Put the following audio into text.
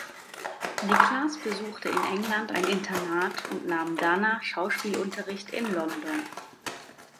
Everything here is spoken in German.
Niklas besuchte in England ein Internat und nahm danach Schauspielunterricht in London.